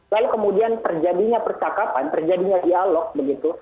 lalu kemudian terjadinya percakapan terjadinya dialog begitu